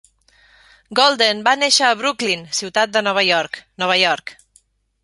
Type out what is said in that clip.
Golden va néixer a Brooklyn, ciutat de Nova York, Nova York.